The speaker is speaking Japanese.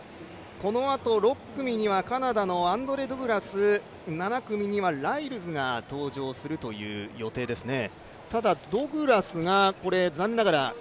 このあと、６組にはカナダのアンドレ・ド・グラス、７組にはライルズが登場する予定ですね。